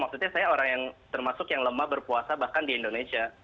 maksudnya saya orang yang termasuk yang lemah berpuasa bahkan di indonesia